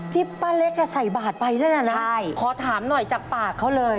พี่ป้าเล็กก็ใส่บาดไปแล้วนะนะขอถามหน่อยจากปากเขาเลย